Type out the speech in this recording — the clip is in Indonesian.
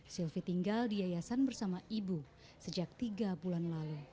sylvi tinggal di yayasan bersama ibu sejak tiga bulan lalu